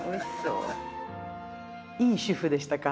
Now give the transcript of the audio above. いい主夫でしたか？